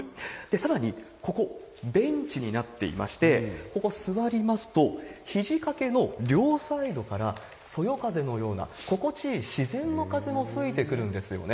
さらにここ、ベンチになっていまして、ここ座りますと、ひじ掛けの両サイドから、そよ風のような心地いい自然の風も吹いてくるんですよね。